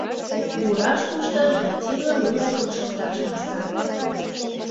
Мураш-кушташ да тӱрлӧ музыкым шокташ мастар.